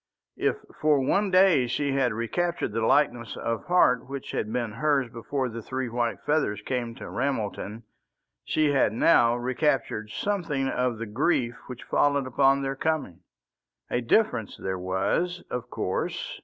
If for one day she had recaptured the lightness of heart which had been hers before the three white feathers came to Ramelton, she had now recaptured something of the grief which followed upon their coming. A difference there was, of course.